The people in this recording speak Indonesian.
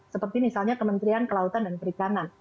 seperti misalnya kementerian kelautan dan perikanan